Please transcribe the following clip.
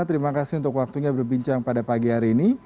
terima kasih untuk waktunya berbincang pada pagi hari ini